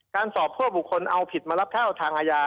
การสอบพวกบุคคลเอาผิดมารับเท่าทางอาญา